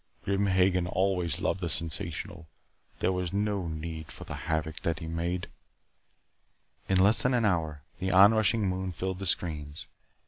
Grim Hagen always loved the sensational. There was no need for the havoc that he made " In less than an hour, the onrushing moon filled the screens.